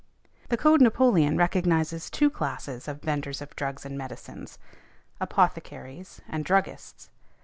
The Code Napoleon recognizes two classes of vendors of drugs and medicines, apothecaries and druggists.